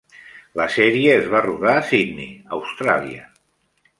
La sèrie es va rodar a Sydney, Austràlia.